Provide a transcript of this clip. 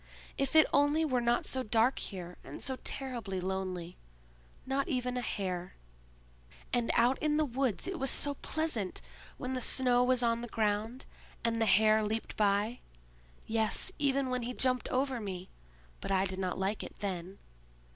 If it only were not so dark here, and so terribly lonely! Not even a hare. And out in the woods it was so pleasant, when the snow was on the ground, and the hare leaped by; yes—even when he jumped over me; but I did not like it then.